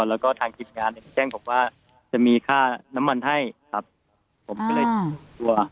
แล้วก็ทางทีมงานเนี้ยแจ้งบอกว่าจะมีค่าน้ำมันให้ครับอ่า